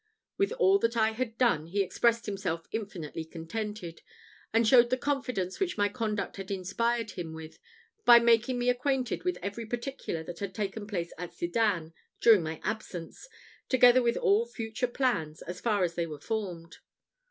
With all that I had done he expressed himself infinitely contented, and showed the confidence which my conduct had inspired him with, by making me acquainted with every particular that had taken place at Sedan during my absence, together with all his future plans, as far as they were formed.